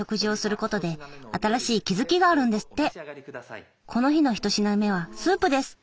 この日の一品目はスープです。